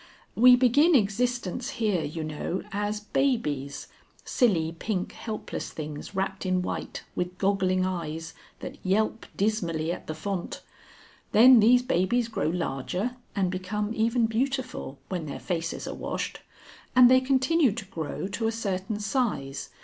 We begin existence here, you know, as babies, silly pink helpless things wrapped in white, with goggling eyes, that yelp dismally at the Font. Then these babies grow larger and become even beautiful when their faces are washed. And they continue to grow to a certain size.